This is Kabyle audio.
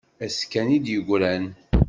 Ass kan i d-yegran.